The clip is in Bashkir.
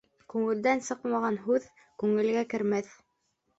Күңелдән сыҡмаған һүҙ күңелгә кермәҫ.